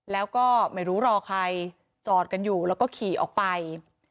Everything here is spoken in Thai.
แล้วก็ไม่รู้รอใครจอดกันอยู่แล้วก็ขี่ออกไป